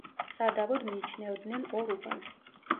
სადავოდ მიიჩნევდნენ ორ უბანს.